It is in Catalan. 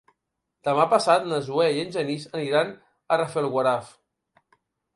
Demà passat na Zoè i en Genís aniran a Rafelguaraf.